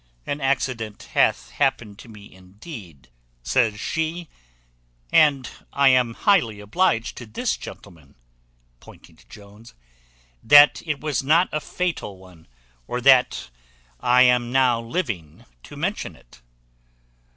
"An accident hath happened to me, indeed," says she, "and I am highly obliged to this gentleman" (pointing to Jones) "that it was not a fatal one, or that I am now living to mention it."